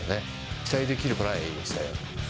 期待できるトライでしたよ。